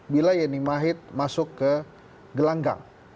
bila yeni wahid masuk ke gelanggang